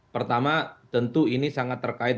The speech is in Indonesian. pertama tentu ini sangat terkait